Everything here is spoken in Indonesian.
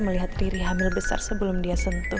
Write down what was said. melihat diri hamil besar sebelum dia sentuh